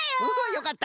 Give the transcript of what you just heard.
よかった。